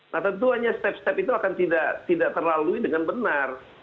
nah tentu hanya step step itu akan tidak terlalui dengan benar